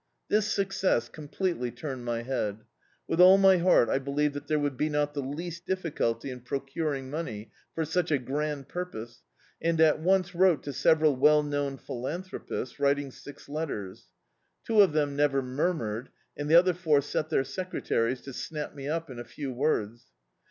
This success completely turned my head. With all my heart I believed that there would not be the least difficulty in pro* curing money for such a grand purpose, and at once wrote to several well known philanthropists, writ ing six letters. Two of them never murmured, and the other four set their secretaries to snap me up in a few words.